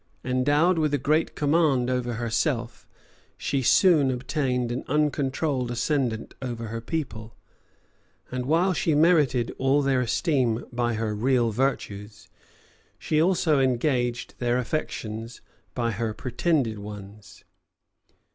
Endowed with a great command over herself, she soon obtained an uncontrolled ascendant over her people; and while she merited all their esteem by her real virtues, she also engaged their affections by her pretended ones.